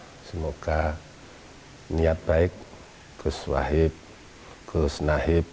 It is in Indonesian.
saya semoga niat baik gus wahid gus nahib